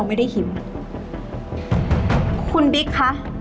สนุกสนุก